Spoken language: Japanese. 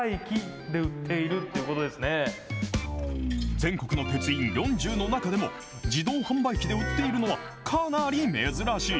全国の鉄印４０の中でも、自動販売機で売っているのはかなり珍しい。